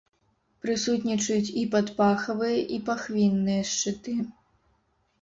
Прысутнічаюць і падпахавыя, і пахвінныя шчыты.